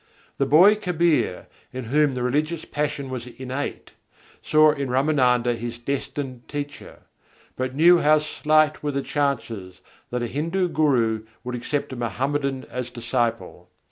The boy Kabîr, in whom the religious passion was innate, saw in Râmânanda his destined teacher; but knew how slight were the chances that a Hindu guru would accept a Mohammedan as disciple.